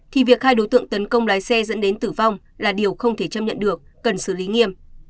thì việc hai đối tượng tấn công lái xe dẫn đến tử vong là điều không thể chấp nhận được cần xử lý nghiêm